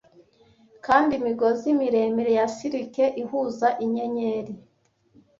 kandi imigozi miremire ya silike ihuza inyenyeri